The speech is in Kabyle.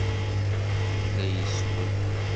Tegla yes-wen.